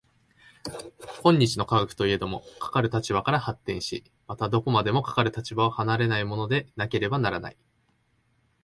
今日の科学といえども、かかる立場から発展し、またどこまでもかかる立場を離れないものでなければならない。